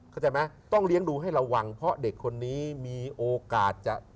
เข้าใจไหมต้องเลี้ยงดูให้ระวังเพราะเด็กคนนี้มีโอกาสจะ